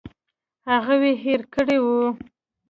هغوی یې هېر کړي وو.